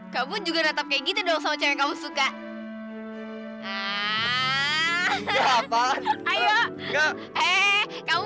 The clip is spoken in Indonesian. kamu juga gerak kayak kita teh jangan chieng kamu suka hai stat central ayo enggak hai kamu